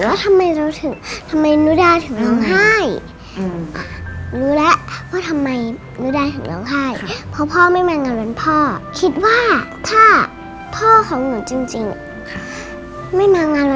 ว่าทำไมหนูได้ถึงร้องไห้